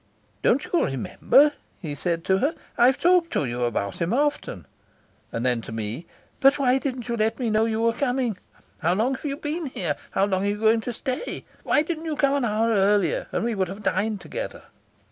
"Don't you remember?" he said to her. "I've talked to you about him often." And then to me: "But why didn't you let me know you were coming? How long have you been here? How long are you going to stay? Why didn't you come an hour earlier, and we would have dined together?"